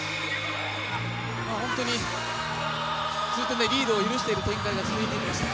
本当にずっとリードを許している展開が続いていました。